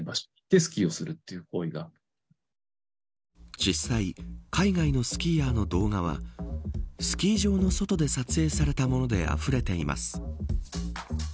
実際、海外のスキーヤーの動画はスキー場の外で撮影されたものであふれています。